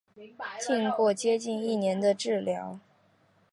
经过接近一年的治疗